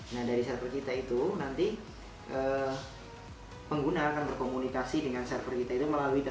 nah dari server kita itu nanti pengguna akan berkomunikasi dengan server kita itu melalui teknologi